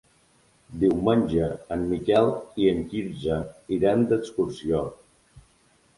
Diumenge en Miquel i en Quirze iran d'excursió.